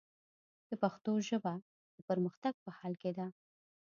د پښتو ژبه، د پرمختګ په حال کې ده.